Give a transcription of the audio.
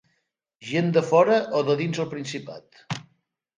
Gent de fora o de dins el Principat.